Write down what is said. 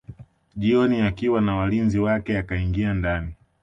Jioni akiwa na walinzi wake akaingia ndani